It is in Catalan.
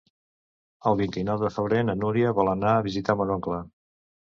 El vint-i-nou de febrer na Núria vol anar a visitar mon oncle.